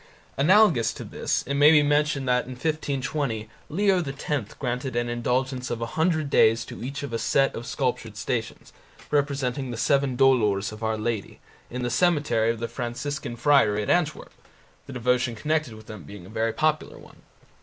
Analogous to this it may be mentioned that in 1520 Leo X granted an indulgence of a hundred days to each of a set of sculptured Stations, representing the Seven Dolours of Our Lady, in the cemetery of the Franciscan Friary at Antwerp, the devotion connected with them being a very popular one.